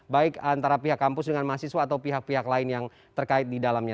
baik antara pihak kampus dengan mahasiswa atau pihak pihak lain yang terkait di dalamnya